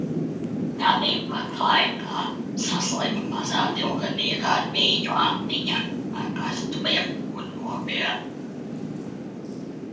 Tanī pat laikā saslima mazā divgadīgā dvīņu Anniņa ar karstumiem un nomira.